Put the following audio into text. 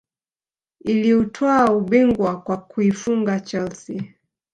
Iliutwaa ubingwa kwa kuifunga chelsea